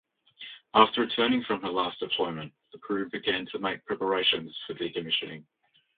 After returning from her last deployment, the crew began to make preparations for decommissioning.